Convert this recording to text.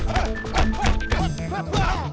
aduh ini anaknya